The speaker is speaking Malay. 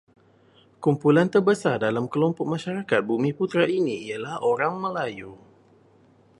Kumpulan terbesar dalam kelompok masyarakat bumiputera ini ialah orang Melayu.